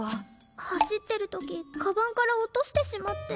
走ってる時カバンから落としてしまって。